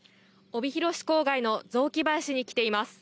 帯広市郊外の雑木林に来ています。